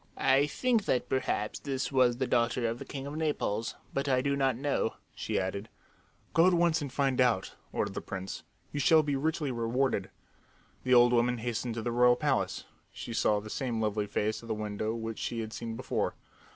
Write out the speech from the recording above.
"I think that perhaps this was the daughter of the king of Naples, but I do not know," she added. "Go at once and find out," ordered the prince. "You shall be richly rewarded." The old woman hastened to the royal palace. She saw the same lovely face at the window which she had seen before.